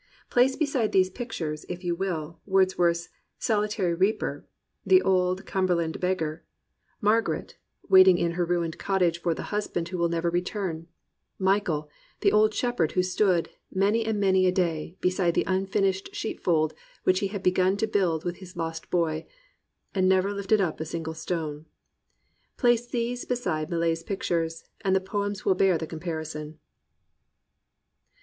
Place beside these pictures, if you will, Wordsworth's Solitary Reaper, The Old Cumberland Beggar, Mar 216 THE RECOVERY OF JOY garet waiting in her ruined cottage for the husband who would never return, Michael, the old shepherd who stood, many and many a day, beside the un finished she^fold which he had begun to build with his lost boy, "And never lifted up a single stone," — place these beside Millet's pictures, and the poems will bear the comparison.